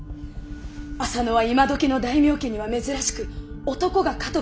浅野は今どきの大名家には珍しく男が家督を継いでおります。